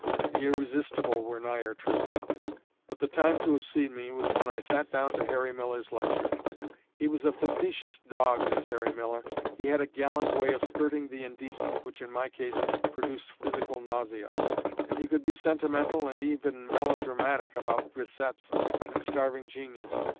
The Irresistible were nigher truth. But the time to have seen me was when I sat down to Harry Miller's lecture. He was a facetious dog, this Harry Miller; he had a gallant way of skirting the indecent which (in my case) produced physical nausea; and he could be sentimental and even melodramatic about grisettes and starving genius.